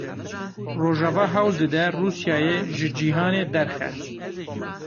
Rojava hewl dide Rûsyayê ji cîhanê derxe.